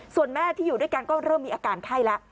ส่วนแม่ที่อยู่ด้วยกันก็เริ่มมีอาการไข้แล้ว